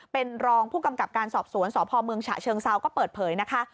เป็นรองผู้กำกับการสอบสวนสพเมืองฉะเชิงเซาก็เปิดเผยนะคะ